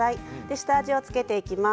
下味を付けていきます。